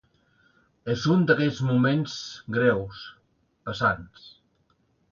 És un d'aquells moments greus, pesants.